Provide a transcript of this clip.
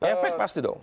efek pasti dong